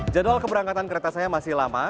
jadwal keberangkatan kereta saya masih lama